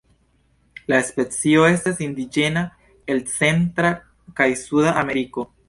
La specio estas indiĝena el Centra kaj Suda Ameriko.